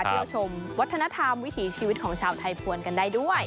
เที่ยวชมวัฒนธรรมวิถีชีวิตของชาวไทยพวนกันได้ด้วย